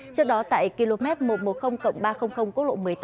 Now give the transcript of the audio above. trước đó tại km một trăm một mươi ba trăm linh quốc lộ một mươi tám